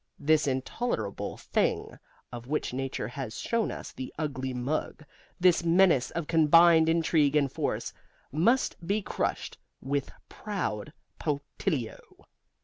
This Intolerable Thing, of which Nature has shown us the ugly mug, this menace of combined intrigue and force, must be crushed, with proud punctilio.